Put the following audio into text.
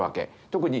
特に